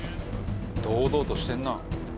堂々としてるな。